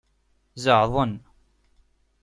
Zeɛḍen.